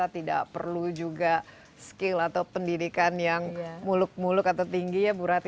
tidak perlu juga skill atau pendidikan yang muluk muluk atau tinggi ya bu rati